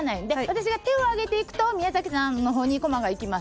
私が手をあげていくと宮崎さんの方にこまが行きます。